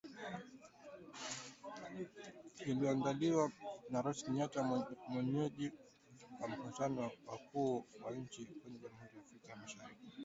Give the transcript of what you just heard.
Iliyoandaliwa na Rais Kenyatta mwenyeji wa mkutano wa wakuu wa nchi za Jamhuri ya Afrika Mashariki.